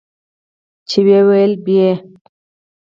چې وييل به يې